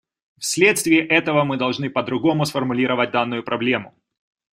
Вследствие этого мы должны по-другому сформулировать данную проблему.